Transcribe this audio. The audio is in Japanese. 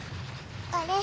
あれ？